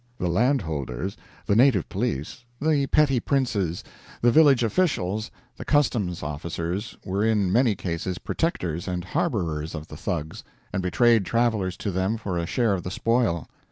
The landholders, the native police, the petty princes, the village officials, the customs officers were in many cases protectors and harborers of the Thugs, and betrayed travelers to them for a share of the spoil.